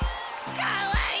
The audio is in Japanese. かわいい！